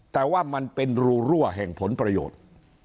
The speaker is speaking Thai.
แต่ว่ามันเป็นรูรั่วแห่งผลประโยชน์